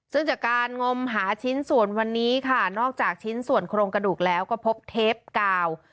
ซึ่งจากการงมหาชิ้นส่วนวันนี้ค่ะนอกจากชิ้นส่วนโครงกระดูกแล้วก็พบเทปกาว